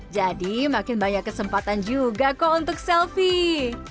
jadi makin banyak kesempatan juga kok untuk selfie